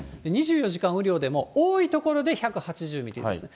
２４時間雨量でも多い所で１８０ミリですね。